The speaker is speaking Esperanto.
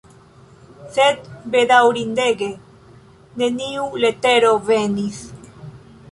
Sed, bedaŭrindege, neniu letero venis!